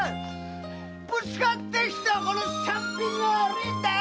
ぶつかってきたこのサンピンが悪いんだよ！